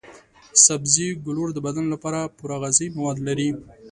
سبزي ګولور د بدن لپاره پوره غذايي مواد لري.